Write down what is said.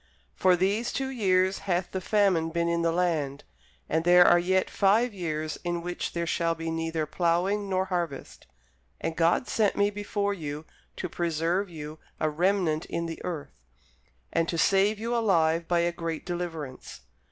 For these two years hath the famine been in the land; and there are yet five years in the which there shall be neither ploughing nor harvest. And God sent me before you to preserve you a remnant in the earth, and to save you alive by a great deliverance.